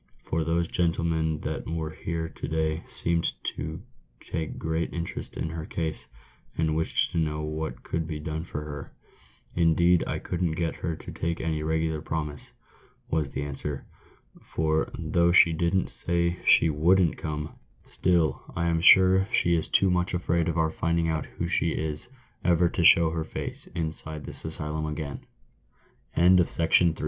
for those gentlemen that were here to day seemed to take great interest in her case, and wished to know what could be done for her." "Indeed I couldn't get her to make any regular promise," was the answer ;" for though she didn't say she wouldn't come, still I'm sure she is too much afraid of our finding out who she is ever to s